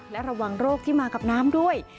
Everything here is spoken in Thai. และระวังโรคที่มากับน้ำด้วย